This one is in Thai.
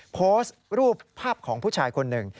โพสต์รูปภาพของผู้ชายคนหนึ่ง